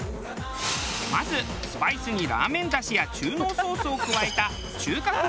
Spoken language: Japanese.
まずスパイスにラーメン出汁や中濃ソースを加えた中華風